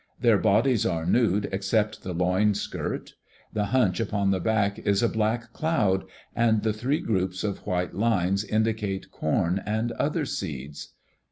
Their bodies are nude except the loin skirt. The hunch upon the back is a black cloud and the three groups of white lines indicate corn and other seeds.